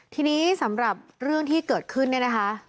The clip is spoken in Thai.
ทีนี้สำหรับเรื่องที่เกิดขึ้นเนี่ยนะคะ